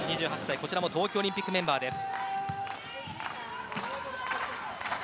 こちらも東京オリンピックメンバーです。